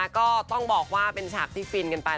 ก็ต้องบอกว่าเป็นฉากที่ฟินกันไป